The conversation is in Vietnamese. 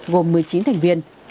gồm một mươi chín thành viên